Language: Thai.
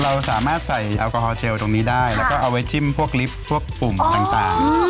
เราสามารถใส่แอลกอฮอลเจลตรงนี้ได้แล้วก็เอาไว้จิ้มพวกลิฟต์พวกปุ่มต่าง